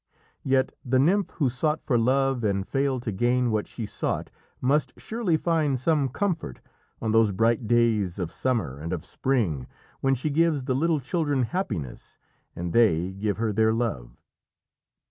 Yet the nymph who sought for love and failed to gain what she sought must surely find some comfort on those bright days of summer and of spring when she gives the little children happiness and they give her their love.